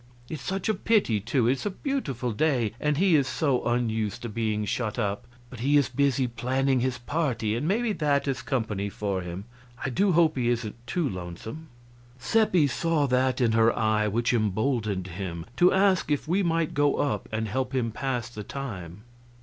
It's such a pity, too; it's a beautiful day, and he is so unused to being shut up. But he is busy planning his party, and maybe that is company for him. I do hope he isn't too lonesome." Seppi saw that in her eye which emboldened him to ask if we might go up and help him pass his time.